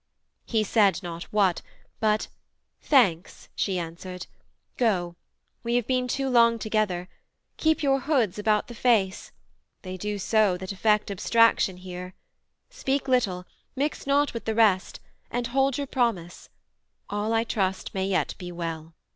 He said not what, But 'Thanks,' she answered 'Go: we have been too long Together: keep your hoods about the face; They do so that affect abstraction here. Speak little; mix not with the rest; and hold Your promise: all, I trust, may yet be well.'